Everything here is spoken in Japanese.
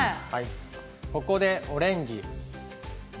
ここでオレンジ。